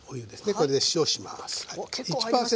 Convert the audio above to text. これで塩します。